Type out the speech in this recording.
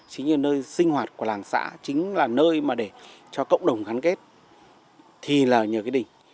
chính là nơi sinh hoạt của làng xã chính là nơi mà để cho cộng đồng gắn kết thì là nhờ cái đỉnh